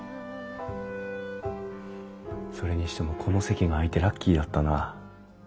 それにしてもこの席が空いてラッキーだったな。